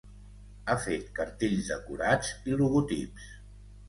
Ha fet cartells decorats i logotips.